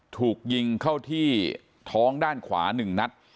ถูกยิงเข้าที่ท้องด้านขวา๑นัด